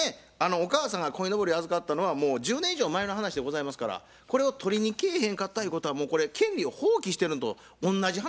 お母さんがこいのぼり預かったのはもう１０年以上前の話でございますからこれを取りにけえへんかったゆうことはもうこれ権利を放棄してるんとおんなじ話やと思うんでございますね。